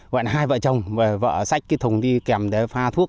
gọi là hai vợ chồng vợ xách cái thùng đi kèm để pha thuốc